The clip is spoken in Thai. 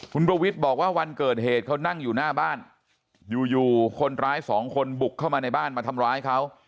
คุณประวิทย์บอกว่าวันเกิดเหตุเขานั่งอยู่หน้าบ้านอยู่อยู่คนร้ายสองคนบุกเข้ามาในบ้านมาทำร้ายเขา